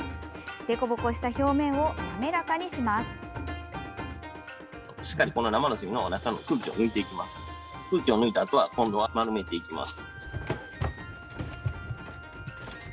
凸凹した表面を滑らかにします。